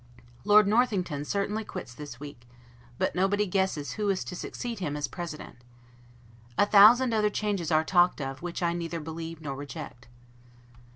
Lord Northington certainly quits this week; but nobody guesses who is to succeed him as President. A thousand other changes are talked of, which I neither believe nor reject.